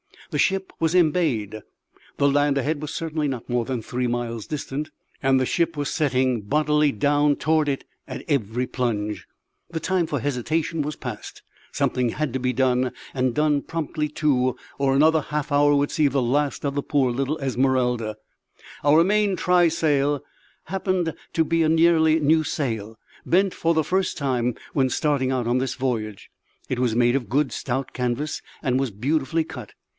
The ship was embayed! The land ahead was certainly not more than three miles distant, and the ship was setting bodily down toward it at every plunge. The time for hesitation was past; something had to be done, and done promptly, too, or another half hour would see the last of the poor little Esmeralda. Our main trysail happened to be a nearly new sail, bent for the first time when starting on this voyage; it was made of good stout canvas, and was beautifully cut.